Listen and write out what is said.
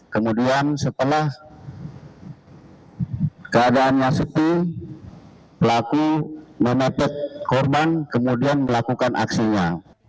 kemudian setelah keadaannya sepi pelaku memepet korban kemudian melakukan aksinya